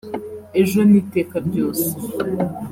ejo n’iteka ryose